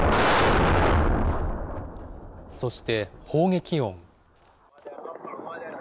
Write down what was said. そして、砲撃音。